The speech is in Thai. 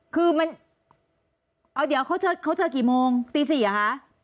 คือมันเอาเดี๋ยวเขาเจอกี่โมงตี๔เหรอคะ